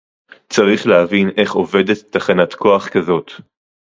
צריך להבין איך עובדת תחנת כוח כזאת